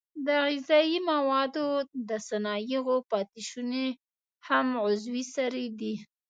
د غذایي موادو د صنایعو پاتې شونې هم عضوي سرې دي.